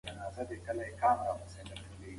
درس په مورنۍ ژبه تشریح سو.